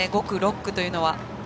５区、６区というのは。